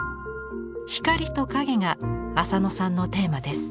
光と影が浅野さんのテーマです。